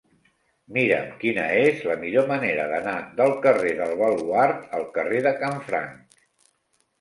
Mira'm quina és la millor manera d'anar del carrer del Baluard al carrer de Canfranc.